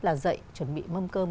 là dậy chuẩn bị mâm cơm